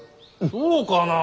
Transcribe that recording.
そうかな。